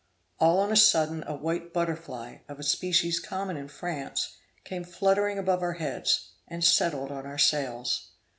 All on a sudden a white butterfly, of a species common in France, came fluttering above our heads, and settled on our sails.